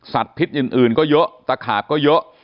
สัตว์พิษอื่นก็เยอะตะขากก็เยอะ